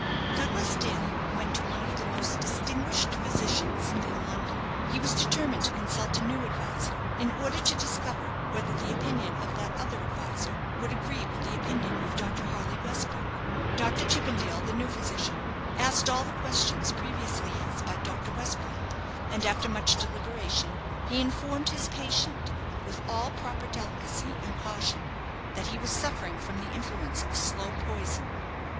Douglas Dale went to one of the most distinguished physicians in London. He was determined to consult a new adviser, in order to discover whether the opinion of that other adviser would agree with the opinion of Dr. Harley Westbrook. Dr. Chippendale, the new physician, asked all the questions previously asked by Dr. Westbrook, and, after much deliberation, he informed his patient, with all proper delicacy and caution, that he was suffering from the influence of slow poison.